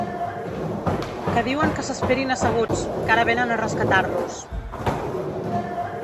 Que diuen que s'esperin asseguts, que ara vénen a rescatar-los.